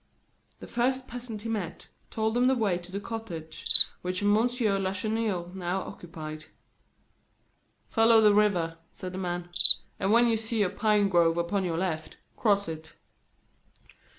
The first peasant he met told him the way to the cottage which M. Lacheneur now occupied. "Follow the river," said the man, "and when you see a pine grove upon your left, cross it."